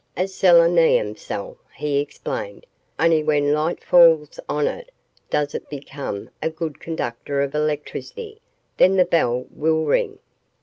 "A selenium cell," he explained. "Only when light falls on it does it become a good conductor of electricity. Then the bell will ring."